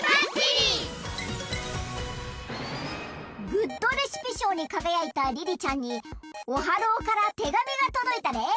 グッドレシピしょうにかがやいたリリちゃんにオハローからてがみがとどいたで。